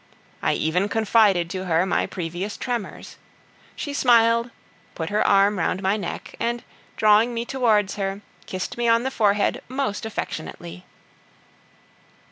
I even confided to her my previous tremors. She smiled, put her arm round my neck, and drawing me towards her, kissed me on the forehead most affectionately.